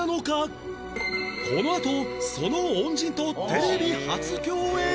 このあとその恩人とテレビ初共演！